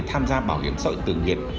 tham gia bảo hiểm sội tử nguyện